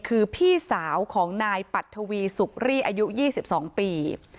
คือพี่สาวของนายปัททวีสุกรี่อายุ๒๒ปี